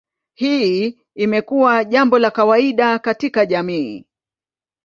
Hii imekuwa jambo la kawaida katika jamii.